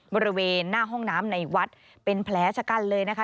บริเวณหน้าห้องน้ำในวัดเป็นแผลชะกันเลยนะคะ